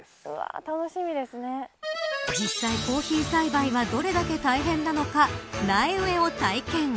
実際、コーヒー栽培はどれだけ大変なのか苗植えを体験。